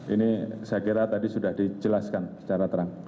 ini saya kira tadi sudah dijelaskan secara terang